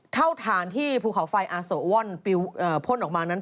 เท่าฐานที่ภูเขาไฟอาโสวอนพ่นออกมานั้น